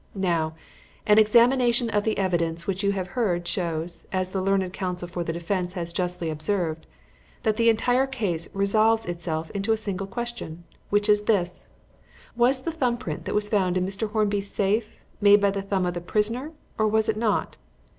"Now, an examination of the evidence which you have heard shows, as the learned counsel for the defence has justly observed, that the entire case resolves itself into a single question, which is this: 'Was the thumb print that was found in Mr. Hornby's safe made by the thumb of the prisoner, or was it not?'